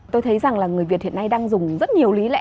tôi thấy rằng là người việt hiện nay đang dùng rất nhiều lý lẽ